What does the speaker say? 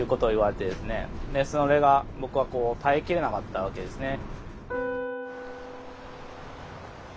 でそれが僕は耐えきれなかったわけですね。